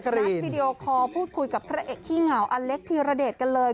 รัฐวิดีโอคอลพูดคุยกับพระเอกขี้เหงาอเล็กธีรเดชกันเลย